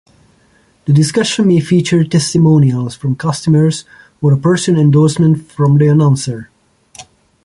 The discussion may feature testimonials from customers or a personal endorsement from the announcer.